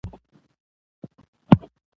راغلې دي. لکه دې جمله کې.